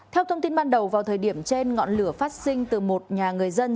theo thông tin ban đầu vào thời điểm trên ngọn lửa phát sinh từ một nhà người dân